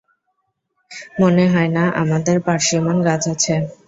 মনে হয় না আমাদের পার্সিমন গাছ আছে।